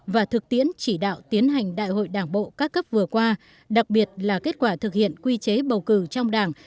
và thực tiễn chỉ đạo tiến hành đại hội đảng bộ các cấp vừa qua đặc biệt là kết quả thực hiện quy chế bầu cử trong đảng